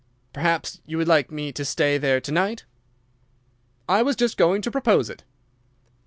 "Perhaps you would like me to stay there to night?" "I was just going to propose it."